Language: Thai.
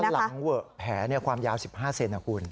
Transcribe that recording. หลังเวอะแผลความยาว๑๕เซนนะคุณ